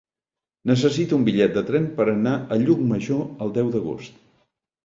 Necessito un bitllet de tren per anar a Llucmajor el deu d'agost.